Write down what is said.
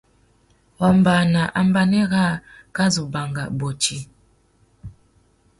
Wombāna ambanê râā ka zu banga bôti.